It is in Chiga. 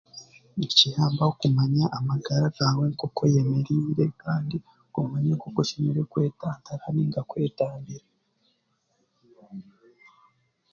Nikiyamba kumanya amagara gaawe nk'oku oy'emeriire kandi okumanya nk'oku oshemereire kwetantara ninga kwetambira.